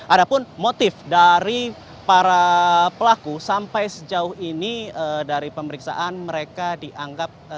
ada pun motif dari para pelaku sampai sejauh ini dari pemeriksaan mereka dianggap